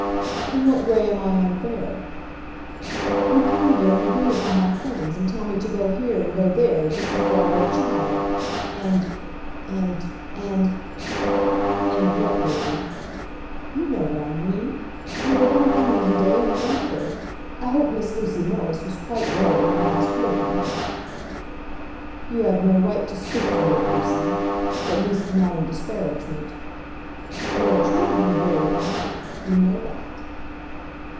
"In what way am I unfair?" "You come here and abuse all my friends, and tell me to go here and go there, just as though I were a child. And and and " "And what, Lizzie?" "You know what I mean. You are one thing one day, and one another. I hope Miss Lucy Morris was quite well when you last heard from her." "You have no right to speak to me of Lucy, at least, not in disparagement." "You are treating her very badly; you know that."